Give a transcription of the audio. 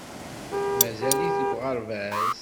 Mazal-it deg uɣerbaz.